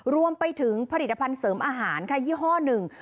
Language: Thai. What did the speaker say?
รวมไปถึงผลิตภัณฑ์เสริมอาหารค่ะยี่ห้อหนึ่ง